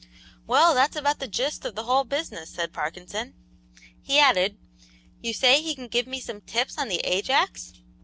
"Well, that's about the 'gist' of the whole business," said Parkinson; he added: "You say he can give me some 'tips' on the Ajax?"